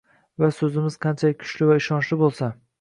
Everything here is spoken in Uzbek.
Va so‘zimiz qanchalik kuchli va ishonchli bo‘lsa